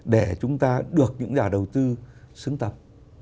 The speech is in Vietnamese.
để chúng ta được những nhà đầu tư xứng tầm